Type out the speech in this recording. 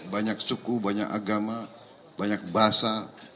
banyak suku banyak agama banyak bahasa